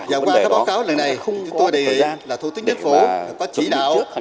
và qua các báo cáo lần này chúng tôi đề nghị là thủ tướng chính phủ có chỉ đạo